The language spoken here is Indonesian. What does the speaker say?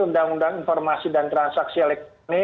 undang undang informasi dan transaksi elektronik